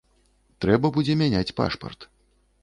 Трэба будзе мяняць пашпарт.